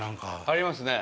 ありますね。